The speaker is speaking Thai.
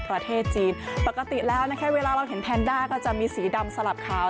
ประเทศจีนปกติแล้วนะคะเวลาเราเห็นแพนด้าก็จะมีสีดำสลับขาว